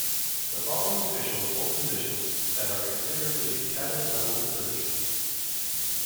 The following officials hold positions that are considered to be Cabinet-level positions.